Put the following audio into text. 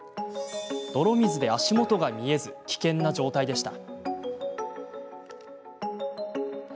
泥水で足元が見えず危険な状態でした。